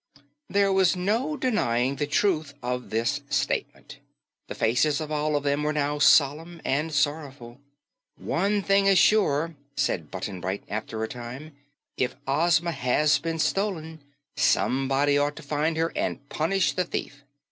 There was no denying the truth of this statement. The faces of all of them were now solemn and sorrowful. "One thing is sure," said Button Bright after a time, "if Ozma has been stolen, someone ought to find her and punish the thief."